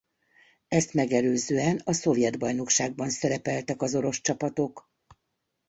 Ezt megelőzően a szovjet bajnokságban szerepeltek az orosz csapatok.